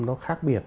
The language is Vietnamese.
nó khác biệt